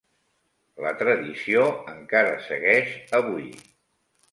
La tradició encara segueix avui.